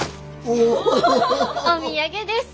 お土産です！